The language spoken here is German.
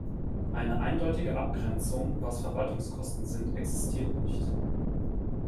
Eine eindeutige Abgrenzung, was Verwaltungskosten sind, existiert nicht.